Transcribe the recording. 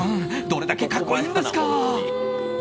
どれだけ格好いいんですか！